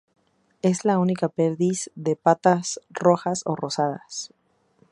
Es a única perdiz de patas rojas o rosadas.